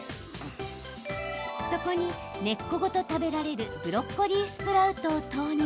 そこに、根っこごと食べられるブロッコリースプラウトを投入。